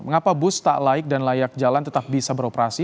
mengapa bus tak laik dan layak jalan tetap bisa beroperasi